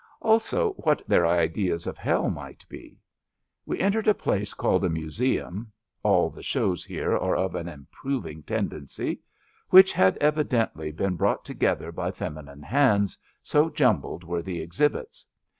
Also what their ideas of Hell might be. We entered a place called a museum (all the shows here are of an improving tendency), which had CHAUTAUQUAED 177 evidently been brought together by feminine hands, so jumbled were the exhibits.